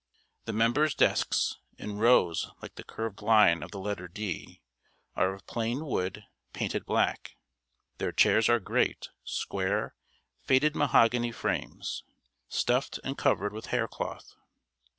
The members' desks, in rows like the curved line of the letter D, are of plain wood, painted black. Their chairs are great, square, faded mahogany frames, stuffed and covered with haircloth.